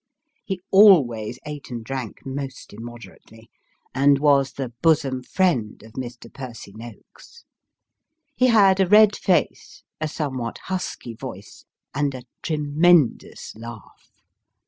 He always eat and drank most im moderately, and was the bosom friend of Mr. Percy Noakes. He had a red face, a somewhat husky voice, and a tremendous laugh.